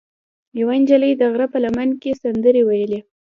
یوه نجلۍ د غره په لمن کې سندرې ویلې.